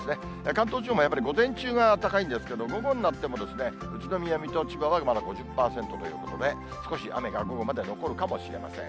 関東地方もやはり午前中が高いんですけど、午後になっても宇都宮、水戸、千葉は５０％ということで、少し雨が午後まで残るかもしれません。